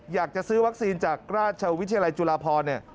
อยากจะซื้อวัคซีนจากราชวิทยาลัยจุฬาพรเนี่ย